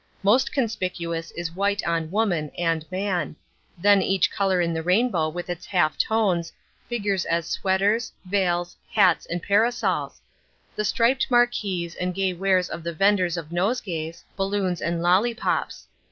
Most conspicuous is white on woman (and man); then each colour in the rainbow with its half tones, figures as sweaters, veils, hats and parasols; the striped marquise and gay wares of the venders of nosegays, balloons and lollypops.